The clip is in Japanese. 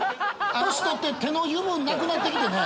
年取って手の油分なくなってきてね。